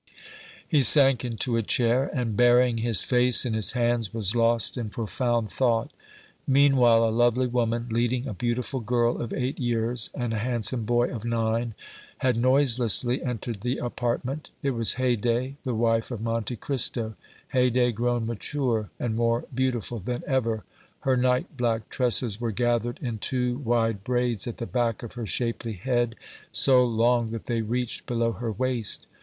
He sank into a chair, and, burying his face in his hands, was lost in profound thought. Meanwhile, a lovely woman, leading a beautiful girl of eight years and a handsome boy of nine, had noiselessly entered the apartment. It was Haydée, the wife of Monte Cristo, Haydée grown mature and more beautiful than ever. Her night black tresses were gathered in two wide braids at the back of her shapely head, so long that they reached below her waist.